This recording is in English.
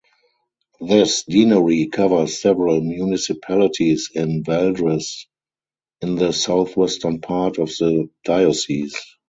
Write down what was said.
This deanery covers several municipalities in Valdres in the southwestern part of the diocese.